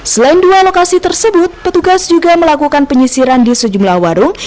selain dua lokasi tersebut petugas juga melakukan penyisiran di sejumlah warung